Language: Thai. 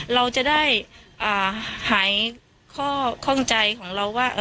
เราจะได้หายข้อข้องใจของเราว่า